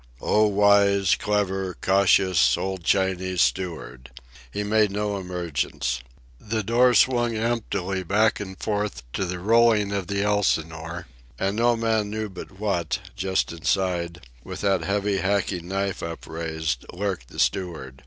O wise, clever, cautious, old Chinese steward! He made no emergence. The door swung emptily back and forth to the rolling of the Elsinore, and no man knew but what, just inside, with that heavy, hacking knife upraised, lurked the steward.